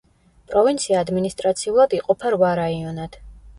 პროვინცია ადმინისტრაციულად იყოფა რვა რაიონად.